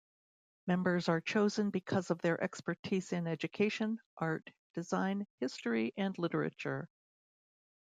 Members are chosen because of their expertise in education, art, design, history, and literature.